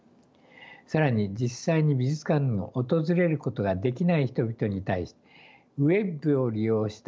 更に実際に美術館を訪れることができない人々に対しウェブを利用した